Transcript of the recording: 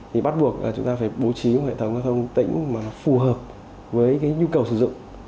thì bắt buộc chúng ta phải bố trí một hệ thống giao thông tỉnh phù hợp với nhu cầu sử dụng